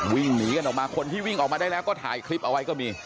วิ่งหนีกันออกมาคนที่วิ่งออกมาได้แล้วก็ถ่ายคลิปเอาไว้ก็มี